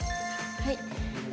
はい。